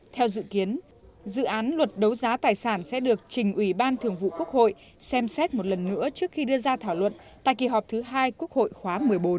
theo dự kiến dự án luật đấu giá tài sản sẽ được trình ủy ban thường vụ quốc hội xem xét một lần nữa trước khi đưa ra thảo luận tại kỳ họp thứ hai quốc hội khóa một mươi bốn